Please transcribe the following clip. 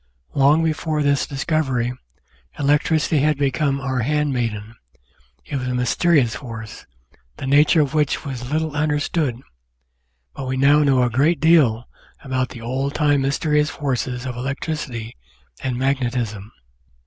Long before this discovery electricity had become our handmaiden; it was a mysterious force, the nature of which was little understood, but we now know a great deal about the old time mysterious forces of electricity and magnetism.